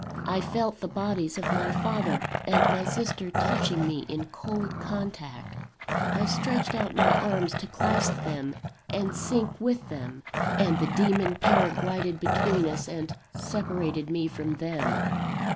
I felt the bodies of my father and my sister touching me in cold contact: I stretched out my arms to clasp them and sink with them; and the demon pair glided between us, and separated me from them.